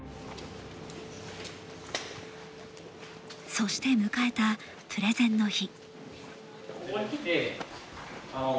そして迎えた、プレゼンの日。